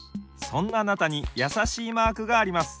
そんなあなたにやさしいマークがあります。